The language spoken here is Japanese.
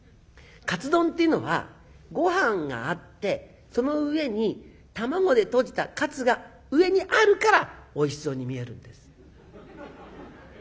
カツ丼っていうのはごはんがあってその上に卵でとじたカツが上にあるからおいしそうに見えるんです。